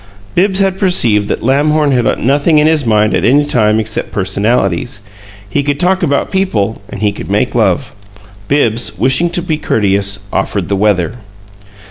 Bibbs had perceived that Lamhorn had nothing in his mind at any time except "personalities" he could talk about people and he could make love. Bibbs, wishing to be courteous, offered the weather.